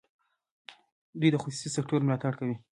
دوی د خصوصي سکټور ملاتړ کوي.